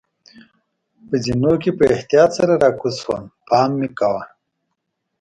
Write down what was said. په زینو کې په احتیاط سره راکوز شوم، پام مې کاوه.